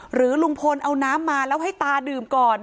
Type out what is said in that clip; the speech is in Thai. หรือลุงพลเอาน้ำมาแล้วให้ตาดื่มก่อน